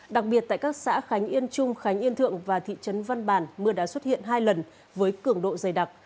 đặc biệt tại các xã khánh yên trung khánh yên thượng và thị trấn văn bàn mưa đã xuất hiện hai lần với cường độ dày đặc